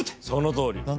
そのとおり。